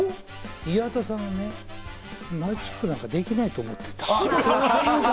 岩田さんはマジックなんかできないと思ってた。